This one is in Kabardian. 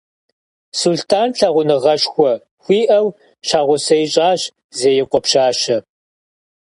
Сулътӏан лъагъуныгъэшхуэ хуиӏэу щхьэгъусэ ищӏащ Зеикъуэ пщащэ.